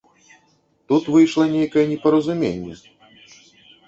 Тут выйшла нейкае непаразуменне.